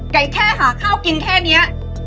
ไก่แค่หาข้าวกินแค่นี้